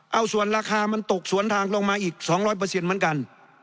เอาส่วนราคามันตกสวนทางลงมาอีก๒๐๐เหมือนกัน